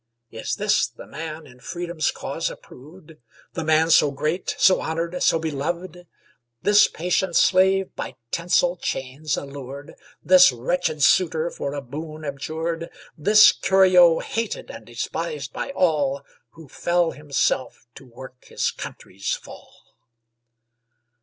Is this the man in Freedom's cause approved? The man so great, so honored, so beloved? This patient slave by tinsel chains allured? This wretched suitor for a boon abjured? This Curio, hated and despised by all? Who fell himself to work his country's fall?